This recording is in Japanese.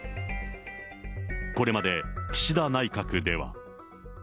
これまで、岸田内閣では。